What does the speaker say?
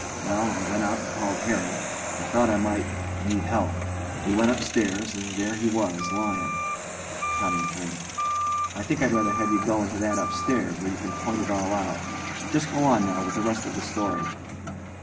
Well, I went out and called Harry. I thought I might need help. We went upstairs and there he was lyin' COUNTY ATTORNEY: I think I'd rather have you go into that upstairs, where you can point it all out. Just go on now with the rest of the story.